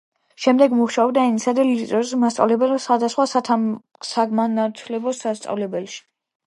შემდეგ მუშაობდა ენისა და ლიტერატურის მასწავლებლად სხვადასხვა საგანმანათლებლო სასწავლებელში.